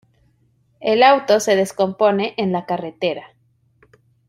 El auto se descompone en la carretera.